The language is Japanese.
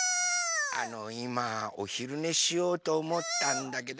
あのいまおひるねしようとおもったんだけど。